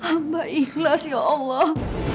amba ikhlas ya allah